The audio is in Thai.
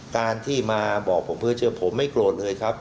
การที่มาบอกผมเพื่อเชื่อผมไม่โกรธเลยครับ